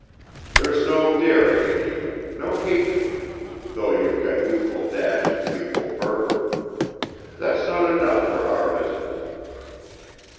There's no daring in you, no hatred, though you've got youthful dash and youthful fervor; that's not enough for our business.